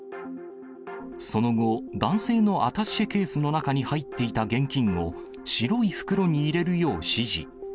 その後、男性のアタッシェケースの中に入っていた現金を、白い袋に入れるよう指示。